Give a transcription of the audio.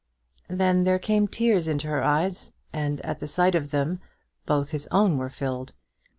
Then there came tears in her eyes, and at the sight of them both his own were filled.